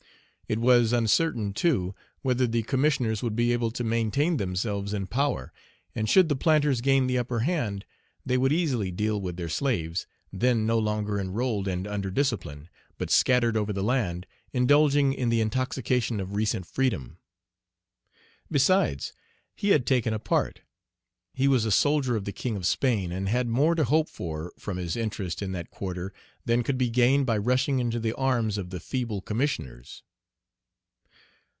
It was uncertain, too, whether the Commissioners would be able to maintain themselves in power; and should the planters gain the upper hand, they would easily deal with their slaves, Page 64 then no longer enrolled and under discipline, but scattered over the land, indulging in the intoxication of recent freedom. Besides, he had taken a part; he was a soldier of the king of Spain, and had more to hope for from his interest in that quarter than could be gained by rushing into the arms of the feeble Commissioners.